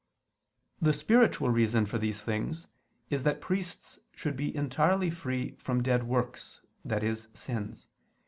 The spiritual reason for these things is that priests should be entirely free from dead works, i.e. sins.